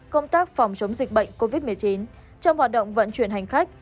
công tác phòng chống dịch bệnh covid một mươi chín trong hoạt động vận chuyển hành khách